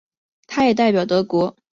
他也代表德国国家篮球队参赛。